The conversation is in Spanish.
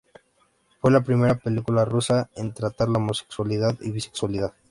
Fue la primera película rusa en tratar la homosexualidad y bisexualidad.